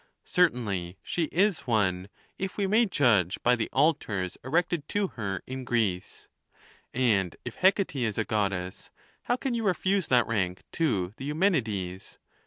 Certainly she is one, if we may judge by the altars erected to her in Greece. And if Hec ate is a Goddess, how can you refuse that rank to the Eumenides?